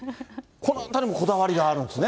このあたりもこだわりがあるんですね。